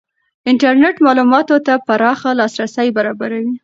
انټرنېټ معلوماتو ته پراخ لاسرسی برابروي.